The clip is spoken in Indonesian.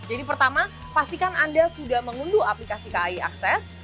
jadi pertama pastikan anda sudah mengunduh aplikasi kai akses